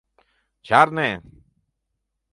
Чарне!..